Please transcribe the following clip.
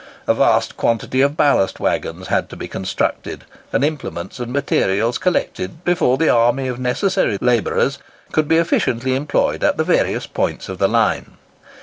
A vast quantity of ballast waggons had to be constructed, and implements and materials collected, before the army of necessary labourers could be efficiently employed at the various points of the line.